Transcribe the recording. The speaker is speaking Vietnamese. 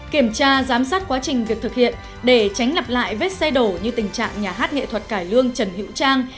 kiểm tra giám sát quá trình việc thực hiện để tránh lặp lại vết xe đổ như tình trạng nhà hát nghệ thuật cải lương trần hữu trang